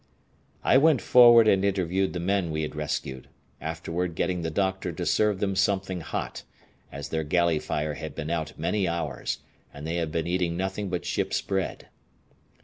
I went forward and interviewed the men we had rescued, afterward getting the "doctor" to serve them something hot, as their galley fire had been out many hours and they had been eating nothing but ship's bread.